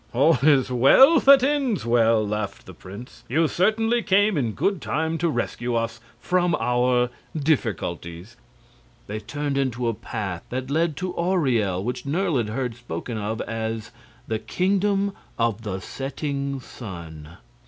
"All is well that ends well!" laughed the prince. "You certainly came in good time to rescue us from our difficulties." They turned into a path that led to Auriel, which Nerle had heard spoken of as "the Kingdom of the Setting Sun."